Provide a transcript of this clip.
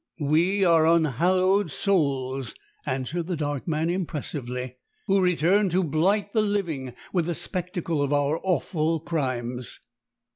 "We are unhallowed souls," answered the dark man impressively, "who return to blight the living with the spectacle of our awful crimes."